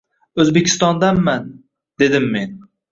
— O‘zbekistondanman, — dedim men.